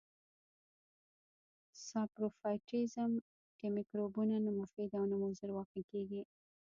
ساپروفایټیزم کې مکروبونه نه مفید او نه مضر واقع کیږي.